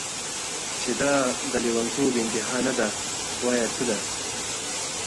چي دا د لېونتوب انتهاء نه ده، وايه څه ده؟